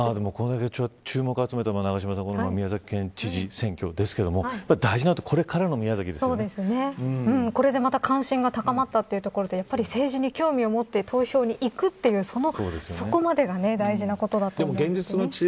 これで注目を集めた宮崎県知事選挙ですけれども大事なのはこれで、また関心が高まったというところでやはり政治に興味を持って投票に行くというそこまでが大事なことなんで。